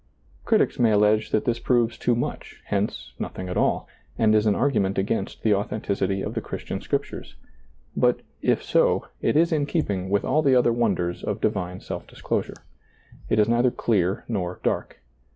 Critics may allege that this proves too much, hence nothing at all, and is an argument against the authenticity of the Christian Scriptures; but, if so, it is in keeping with all the other wonders of Divine Self disclosure. It is neither clear nor dark.